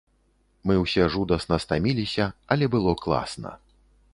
Мы ўсе жудасна стаміліся, але было класна.